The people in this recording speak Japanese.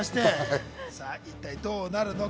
一体どうなるのか？